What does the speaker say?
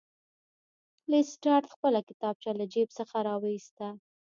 لیسټرډ خپله کتابچه له جیب څخه راویسته.